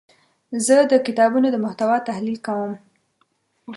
زه د کتابونو د محتوا تحلیل کوم.